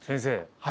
はい。